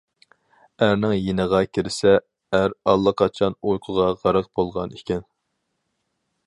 ئەرنىڭ يېنىغا كىرسە ئەر ئاللىقاچان ئۇيقۇغا غەرق بولغان ئىكەن.